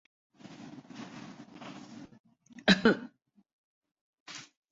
عبادت میں خضوع وخشوع ہواور مسنون